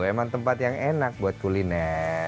memang tempat yang enak buat kuliner